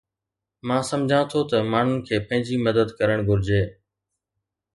مان سمجهان ٿو ته ماڻهن کي پنهنجي مدد ڪرڻ گهرجي